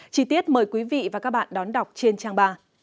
chí tiết mời quý vị và các bạn đón đọc trên trang ba